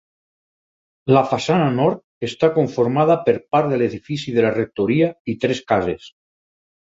La façana nord està conformada per part de l'edifici de la Rectoria i tres cases.